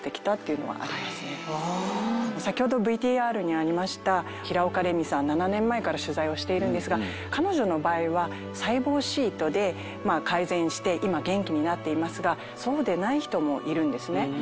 先ほどＶＴＲにありました平岡麗美さんは７年前から取材をしているんですが彼女の場合は細胞シートで改善して今元気になっていますがそうでない人もいるんですね。